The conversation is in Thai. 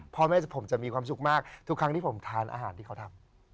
พ่อแม่ผมจะมีความสุขมากทุกครั้งที่ผมทานอาหารที่เขาทำ